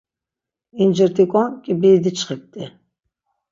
İncirt̆ikon k̆ibiri diçxipt̆i.